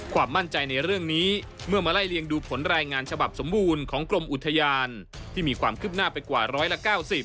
ความมั่นใจในเรื่องนี้เมื่อมาไล่เลียงดูผลรายงานฉบับสมบูรณ์ของกรมอุทยานที่มีความคืบหน้าไปกว่าร้อยละ๙๐